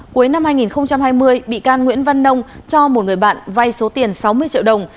cuối năm hai nghìn hai mươi bị can nguyễn văn nông cho một người bạn vay số tiền sáu mươi triệu đồng